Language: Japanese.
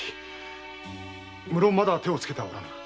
無論まだ手を付けてはおらぬ。